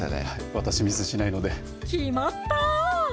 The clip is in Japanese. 私ミスしないので決まった！